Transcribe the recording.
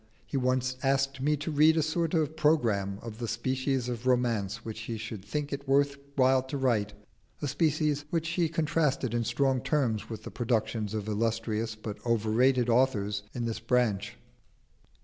He once asked me to read a sort of programme of the species of romance which he should think it worth while to write a species which he contrasted in strong terms with the productions of illustrious but overrated authors in this branch.